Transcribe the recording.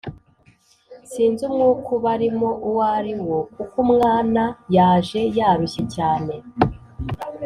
Sinzi umwuka ubarimo uwo ari wo kuko Umwana yaje yarushye cyane